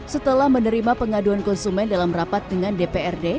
setelah menerima pengaduan konsumen dalam rapat dengan dprd